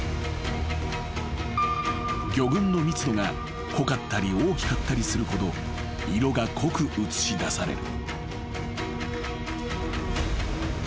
［魚群の密度が濃かったり大きかったりするほど色が濃く映し出される］